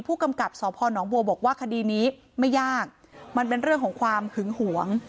ผู้กำกับสพนบัวบอกว่าคดีนี้ไม่ยากมันเป็นเรื่องของความหึงหวง